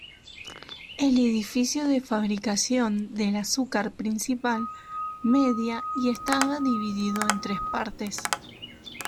El edificio de fabricación del azúcar principal, medía y estaba dividido en tres partes.